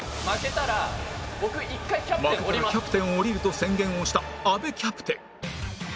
負けたらキャプテンを降りると宣言をした阿部キャプテン